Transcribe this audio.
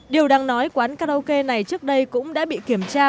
điều đáng nói quán karaoke này trước đây cũng đã bị kiểm tra